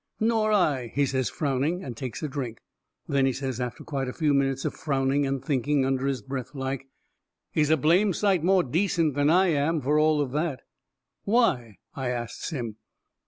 "Nor I," he says, frowning, and takes a drink. Then he says, after quite a few minutes of frowning and thinking, under his breath like: "He's a blame sight more decent than I am, for all of that." "Why?" I asts him.